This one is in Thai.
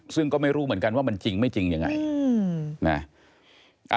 ซึ่งก็ไม่รู้เหมือนกันว่ามันจริงไม่จริงยังไงนะ